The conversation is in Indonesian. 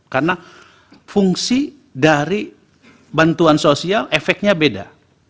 karena fungsi dari bantuan sosial efeknya beda